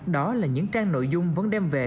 đó là những trang nội dung vẫn đem về